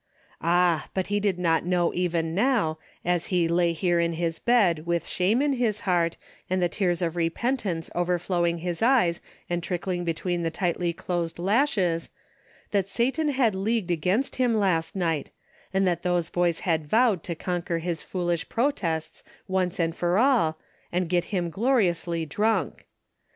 Ah, but he did not know even now, as he lay here in his bed with shame in his heart, and the tears of repentance overflowing his eyes and trickling between the tightly closed lashes, that Satan had leagued against him last night, and that those boys had vowed to conquer his foolish protests once and for all, and get him gloriously drunk.